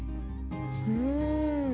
うん。